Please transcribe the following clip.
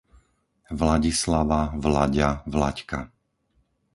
Vladislava, Vlaďa, Vlaďka